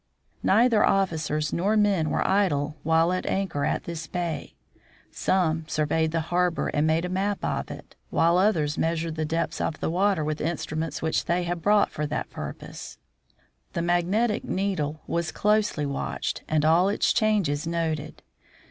Neither officers nor men were idle while at anchor in this bay. Some sur 12 THE FROZEN NORTH veyed the harbor and made a map of it, while others meas ured the depth of the water with instruments which they had brought for that purpose. The magnetic needle was closely watched, and all its changes noted.